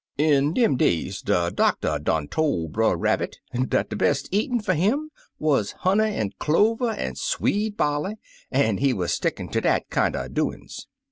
In dem days, de doctor done toF Brer Rab bit dat de best eatin' fer him wuz honey an' clover an' sweet barley, an' he wuz stickin' to dat kinder doin's.